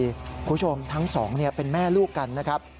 คุณผู้ชมทั้งสองเป็นแม่ลูกกันนะครับ